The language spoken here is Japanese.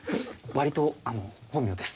割と本名です。